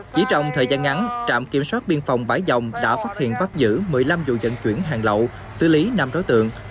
chỉ trong thời gian ngắn trạm kiểm soát biên phòng bãi dòng đã phát hiện bắt giữ một mươi năm vụ dận chuyển hàng lậu xử lý năm đối tượng